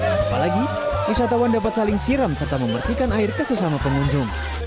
apalagi wisatawan dapat saling siram serta memercikan air ke sesama pengunjung